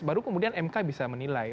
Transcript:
baru kemudian mk bisa menilai